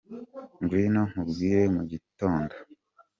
Ngwino nkubwire mugitondo